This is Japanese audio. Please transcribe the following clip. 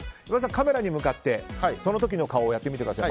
カメラに向かってその時の顔をやってみてください。